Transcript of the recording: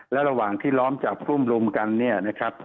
และระหว่างที่ล้อมจับกลุ่มรุมกันเนี่ยนะครับ